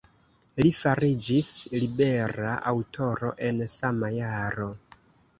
Li fariĝis libera aŭtoro en sama jaro.